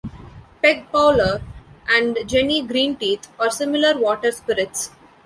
Peg Powler and Jenny Greenteeth are similar water spirits.